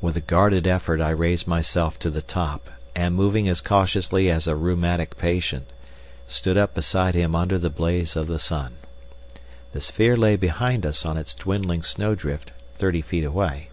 With a guarded effort I raised myself to the top, and moving as cautiously as a rheumatic patient, stood up beside him under the blaze of the sun. The sphere lay behind us on its dwindling snowdrift thirty feet away.